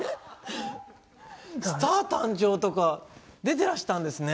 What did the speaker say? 「スター誕生！」とか出てらしたんですね。